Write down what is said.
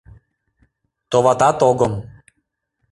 Товатат огым!